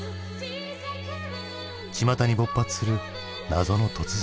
ちまたに勃発する謎の突然死。